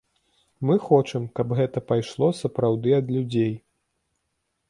Мы хочам, каб гэта пайшло сапраўды ад людзей.